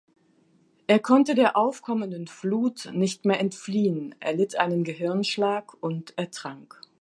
Er konnte der aufkommenden Flut nicht mehr entfliehen, erlitt einen Gehirnschlag und ertrank.